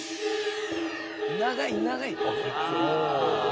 「長い長い！」